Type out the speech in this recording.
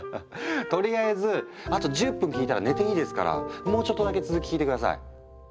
とりあえずあと１０分聞いたら寝ていいですからもうちょっとだけ続き聞いて下さい。